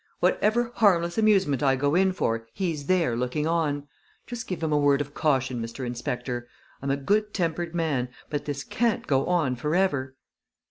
Whatever harmless amusement I go in for he's there looking on. Just give him a word of caution, Mr. Inspector. I'm a good tempered man, but this can't go on forever."